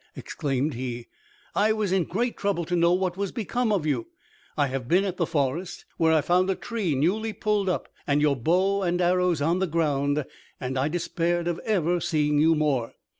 exclaimed he, "I was in great trouble to know what was become of you. I have been at the forest, where I found a tree newly pulled up, and your bow and arrows on the ground, and I despaired of ever seeing you more.